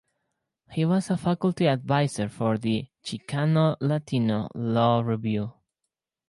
He was a faculty adviser for the "Chicano-Latino Law Review".